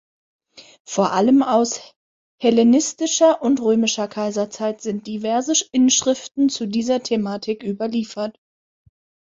Vor allem aus hellenistischer und römischer Kaiserzeit sind diverse Inschriften zu dieser Thematik überliefert.